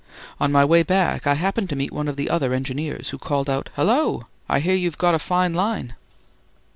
On my way back I happened to meet one of the other engineers, who called out, "Hallo! I hear you have got a fine line."